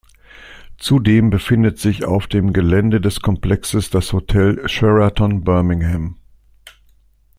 Zudem befindet sich auf dem Gelände des Komplexes das Hotel "Sheraton Birmingham".